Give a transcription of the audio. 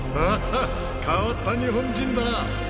変わった日本人だな。